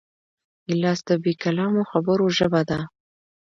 ګیلاس د بېکلامو خبرو ژبه ده.